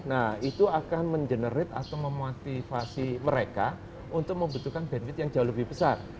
nah itu akan mengenerate atau memotivasi mereka untuk membutuhkan bandfith yang jauh lebih besar